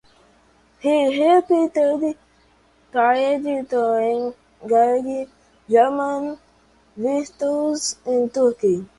He repeatedly tried to engage German virtuosi in Turkey.